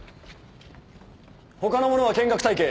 他の者は見学隊形。